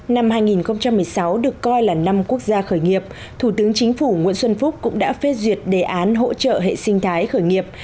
năm hai nghìn một mươi sáu được coi là năm quốc gia khởi nghiệp thủ tướng chính phủ nguyễn xuân phúc cũng đã phê duyệt đề án hỗ trợ hệ sinh thái khởi nghiệp